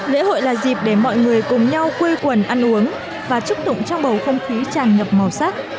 lễ hội là dịp để mọi người cùng nhau quê quần ăn uống và chúc đụng trong bầu không khí tràn ngập màu sắc